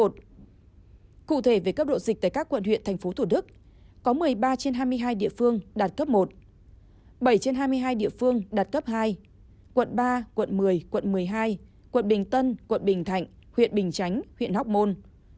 cụ thể về cấp độ dịch tại các quận huyện thành phố thủ đức có một mươi ba trên hai mươi hai địa phương đạt cấp một bảy trên hai mươi hai địa phương đạt cấp hai quận ba quận một mươi quận một mươi hai quận bình tân quận bình thạnh huyện bình chánh huyện hóc môn